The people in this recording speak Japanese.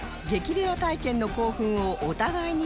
レア体験の興奮をお互いに報告